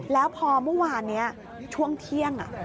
แล้วพอเมื่อวานนี้ช่วงเที่ยง